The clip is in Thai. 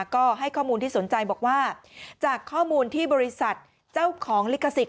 ก็ให้ข้อมูลที่สนใจบอกว่าจากข้อมูลที่บริษัทเจ้าของลิขสิทธ